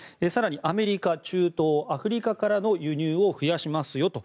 更にアメリカ中東アフリカからの輸入を増やすと。